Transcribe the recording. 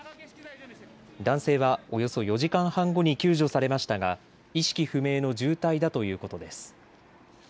男性はおよそ４時間半後に救助されましたが意識不明の重体だということです。